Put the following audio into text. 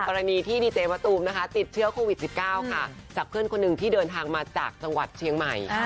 กรณีที่ดีเจมะตูมนะคะติดเชื้อโควิด๑๙ค่ะจากเพื่อนคนหนึ่งที่เดินทางมาจากจังหวัดเชียงใหม่